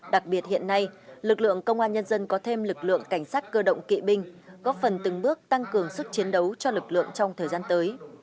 đặc biệt hiện nay lực lượng công an nhân dân có thêm lực lượng cảnh sát cơ động kỵ binh góp phần từng bước tăng cường sức chiến đấu cho lực lượng trong thời gian tới